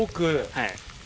はい。